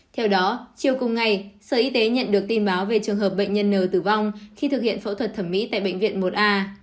theo đó chiều cùng ngày sở y tế nhận được tin báo về trường hợp bệnh nhân n tử vong khi thực hiện phẫu thuật thẩm mỹ tại bệnh viện một a